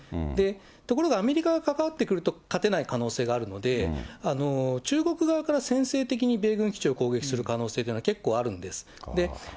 ところがアメリカが関わってくると勝てない可能性があるので、中国側から専制的に米軍基地を攻撃する可能性というのは結構あるんです。